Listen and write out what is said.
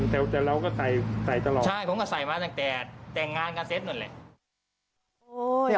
แต่เราก็ใส่ตลอดใช่ผมก็ใส่มาตั้งแต่แต่งงานกันเสร็จหน่อย